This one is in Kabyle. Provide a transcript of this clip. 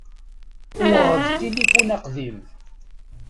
Uɣeɣ-d tilifun aqdim.